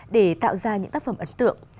để tạo ra những tác phẩm ấn tượng